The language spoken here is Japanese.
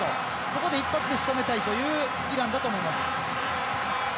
そこで一発でしとめたいというイランだと思います。